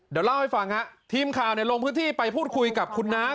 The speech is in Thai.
เดี๋ยวเล่าให้ฟังฮะทีมข่าวลงพื้นที่ไปพูดคุยกับคุณน้า